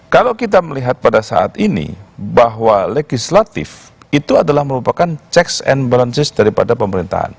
kalau kita melihat pada saat ini bahwa legislatif itu adalah merupakan checks and balances daripada pemerintahan